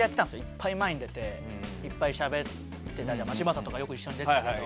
いっぱい前に出ていっぱいしゃべってたじゃん嶋佐とかよく一緒に出てたけど。